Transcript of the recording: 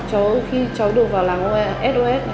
cháu khi cháu được vào làng sos